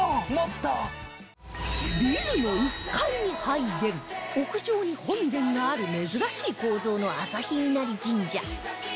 ビルの１階に拝殿屋上に本殿がある珍しい構造の朝日稲荷神社